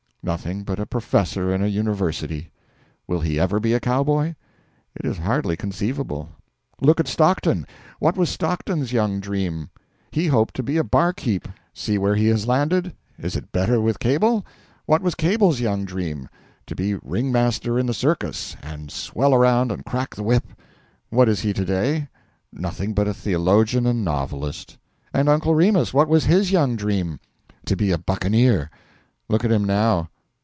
Nothing but a professor in a university. Will he ever be a cowboy? It is hardly conceivable. Look at Stockton. What was Stockton's young dream? He hoped to be a barkeeper. See where he has landed. Is it better with Cable? What was Cable's young dream? To be ring master in the circus, and swell around and crack the whip. What is he to day? Nothing but a theologian and novelist. And Uncle Remus what was his young dream? To be a buccaneer. Look at him now.